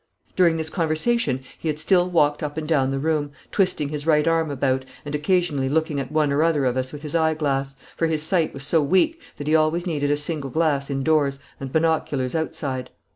During this conversation he had still walked up and down the room, twisting his right arm about, and occasionally looking at one or other of us with his eyeglass, for his sight was so weak that he always needed a single glass indoors and binoculars outside.